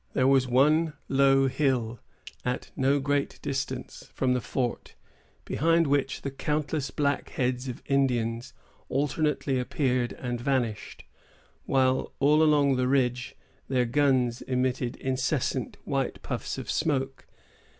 There was one low hill, at no great distance from the fort, behind which countless black heads of Indians alternately appeared and vanished; while, all along the ridge, their guns emitted incessant white puffs of smoke.